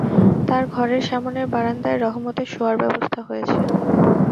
তার ঘরের সামনের বারান্দায় রহমতের শোয়ার ব্যবস্থা হয়েছে।